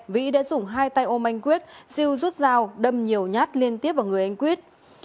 vĩ đã dùng hai tay ôm anh quyết siêu rút dao đâm nhiều nhát liên tiếp vào người anh quyết